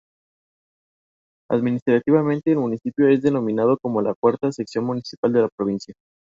Es una miembro del colectivo de cómic internacional Chicks on comics.